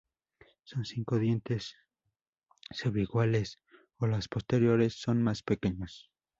Con cinco dientes, subiguales o las posteriores son más pequeños.